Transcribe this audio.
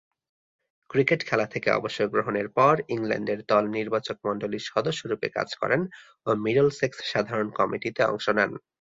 Cricket খেলা থেকে অবসর গ্রহণের পর ইংল্যান্ডের দল নির্বাচকমণ্ডলীর সদস্যরূপে কাজ করেন ও মিডলসেক্স সাধারণ কমিটিতে অংশ নেন।